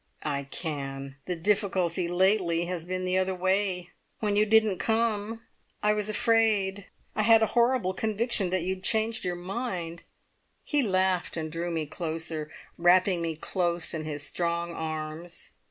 "I can! The difficulty lately has been the other way! When you didn't come I was afraid. I had a horrible conviction that you'd changed your mind." He laughed, and drew me closer, wrapping me close in his strong arms.